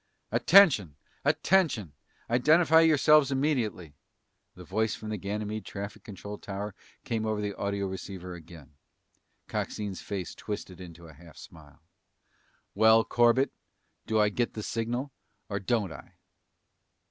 "Attention! Attention! Identify yourselves immediately!" The voice from the Ganymede traffic control tower came over the audioceiver again. Coxine's face twisted into a half smile. "Well, Corbett, do I get the signal or don't I?"